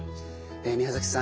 宮崎さん